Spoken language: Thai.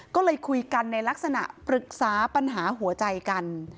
ก็เลยคุยกันในลักษณะปรึกษาปัญหาหัวใจกัน